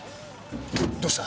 どうした？